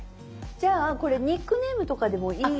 じゃあこれニックネームとかでもいい話？